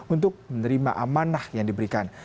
untuk menerima amanah yang diberikan